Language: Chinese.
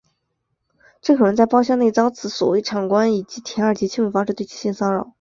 郑可荣在包厢内遭此所谓长官以舔耳及亲吻之方式对其性骚扰。